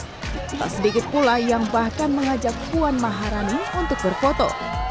tak sedikit pula yang bahkan mengajak puan maharani untuk berfoto